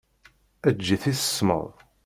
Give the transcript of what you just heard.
Eǧǧ-it i tesmeḍ.